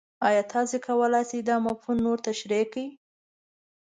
ایا تاسو کولی شئ دا مفهوم نور تشریح کړئ؟